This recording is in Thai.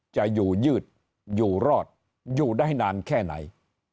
จะอยู่ยืดอยู่รอดอยู่ได้นานแค่ไหน